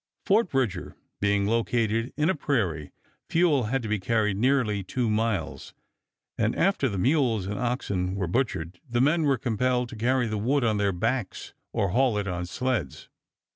Fort Bridger being located in a prairie, fuel had to be carried nearly two miles, and after the mules and oxen were butchered the men were compelled to carry the wood on their backs or haul it on sleds.